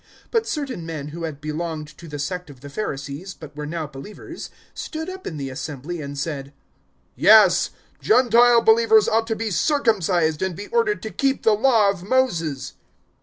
015:005 But certain men who had belonged to the sect of the Pharisees but were now believers, stood up in the assembly, and said, "Yes, Gentile believers ought to be circumcised and be ordered to keep the Law of Moses."